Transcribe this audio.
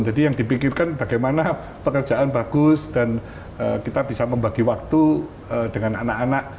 jadi yang dipikirkan bagaimana pekerjaan bagus dan kita bisa membagi waktu dengan anak anak